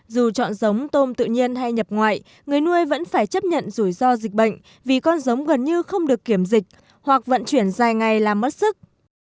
dù chọn giống tôm tự nhiên hay nhập ngoại người nuôi vẫn phải chấp nhận rủi ro dịch bệnh vì con giống gần như không được kiểm dịch hoặc vận chuyển dài ngày làm mất sức